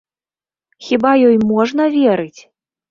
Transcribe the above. Хіба ёй можна верыць!